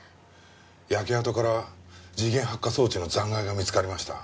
焼け跡から時限発火装置の残骸が見つかりました。